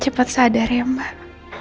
cepet sadar ya mbak